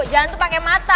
jalan tuh pake mata